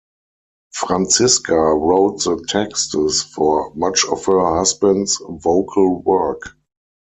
Franziska wrote the texts for much of her husband's vocal work.